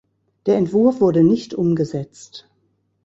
Der Entwurf wurde nicht umgesetzt.